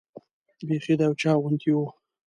بیخي د یو چا غوندې وه.